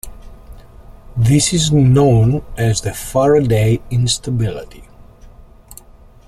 This is known as the Faraday instability.